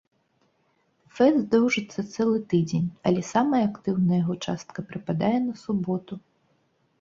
Фэст доўжыцца цэлы тыдзень, але самая актыўная яго частка прыпадае на суботу.